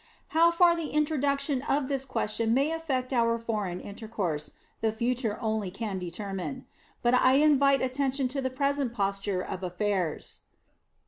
How far the introduction of this question may affect our foreign intercourse, the future only can determine; but I invite attention to the present posture of affairs.